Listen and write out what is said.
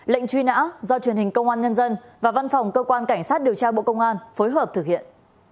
lệnh truy nã do truyền hình công an nhân dân và văn phòng cơ quan cảnh sát điều tra bộ công an phối hợp thực hiện